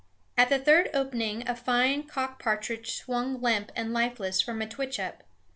At the third opening a fine cock partridge swung limp and lifeless from a twitch up.